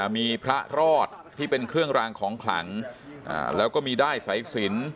มีพระรอดที่เป็นเครื่องรางของขลังแล้วก็มีด้ายสายสิน